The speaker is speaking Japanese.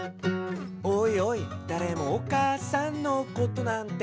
「おいおいだれもお母さんのことなんて」